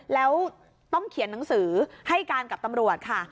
แล้วต้องเขียนหนังสือให้การกับตำรวจค่ะ